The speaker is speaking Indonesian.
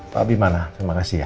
pak bimana terima kasih ya